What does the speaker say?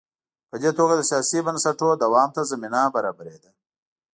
په دې توګه د سیاسي بنسټونو دوام ته زمینه برابرېده.